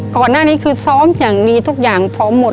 ก่อนหน้านี้คือซ้อมอย่างดีทุกอย่างพร้อมหมด